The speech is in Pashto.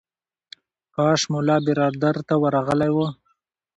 کاش ملا برادر ته ورغلی و.